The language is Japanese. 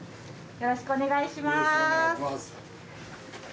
よろしくお願いします。